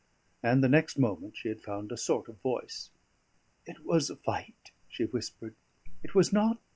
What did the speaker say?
And the next moment she had found a sort of voice. "It was a fight," she whispered. "It was not